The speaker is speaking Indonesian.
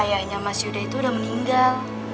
ayahnya mas yudha itu udah meninggal